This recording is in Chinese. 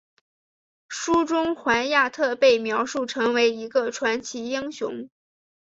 书中怀亚特被描述成为一个传奇英雄。